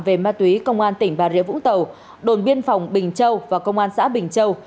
về ma túy công an tỉnh bà rịa vũng tàu đồn biên phòng bình châu và công an xã bình châu